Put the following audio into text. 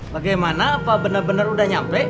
bagaimana apa bener bener udah nyampe